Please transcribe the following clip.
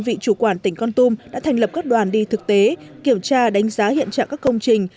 vị chủ quản tỉnh con tum đã thành lập các đoàn đi thực tế kiểm tra đánh giá hiện trạng các công trình